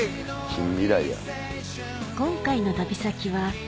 近未来や。